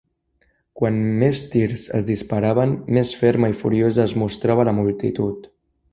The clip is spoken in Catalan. Quant més tirs es disparaven, més ferma i furiosa es mostrava la multitud.